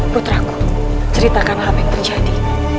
putraku ceritakan apa yang terjadi